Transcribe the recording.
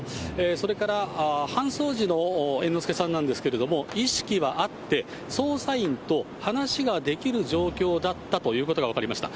それから搬送時の猿之助さんなんですけれども、意識はあって、捜査員と話ができる状況だったということが分かりました。